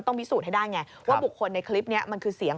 โอเคจะไปรับลูก